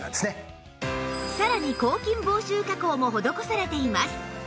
さらに抗菌防臭加工も施されています